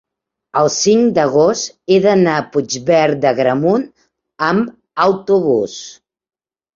el cinc d'agost he d'anar a Puigverd d'Agramunt amb autobús.